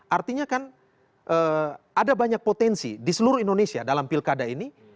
artinya kan ada banyak potensi di seluruh indonesia dalam pilkada ini